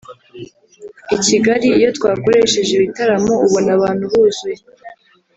i Kigali iyo twakoresheje ibitaramo ubona abantu buzuye